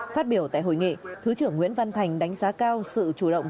phát biểu tại hội nghị thứ trưởng nguyễn văn thành đánh giá cao sự chủ động